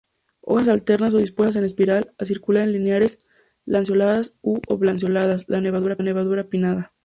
Hojas alternas o dispuestas en espiral, aciculares, lineares, lanceoladas u oblanceoladas, la nervadura pinnada.